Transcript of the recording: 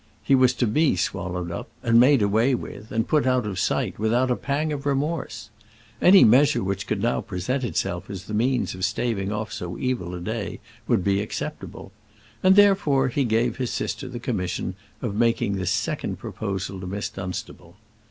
He was to be swallowed up, and made away with, and put out of sight, without a pang of remorse! Any measure which could now present itself as the means of staving off so evil a day would be acceptable; and therefore he gave his sister the commission of making this second proposal to Miss Dunstable.